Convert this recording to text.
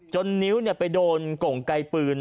จนนิ้วเนี่ยไปโดนกล่องไกลปืน